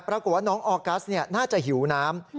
ปรากฏว่าน้องออกัสน่าจะหิวน้ำ